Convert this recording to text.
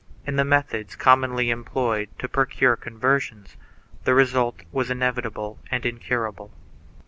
In the methods com monly employed to procure conversions the result was inevitable and incurable.